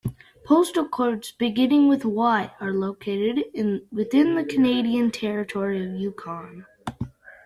Postal codes beginning with Y are located within the Canadian territory of Yukon.